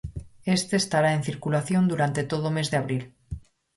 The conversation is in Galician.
Este estará en circulación durante todo o mes de abril.